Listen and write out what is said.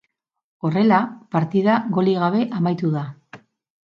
Horrela, partida golik gabe amaitu da.